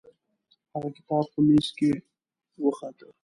هغه کتاب په میز کې وخته.